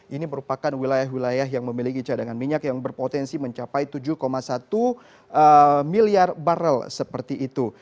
ini merupakan wilayah wilayah yang memiliki cadangan minyak yang berpotensi mencapai tujuh satu miliar barrel seperti itu